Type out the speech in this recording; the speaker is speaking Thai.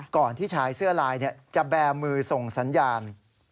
ก่อนที่ชายเสื้อลายจะแบร์มือส่งสัญญาณ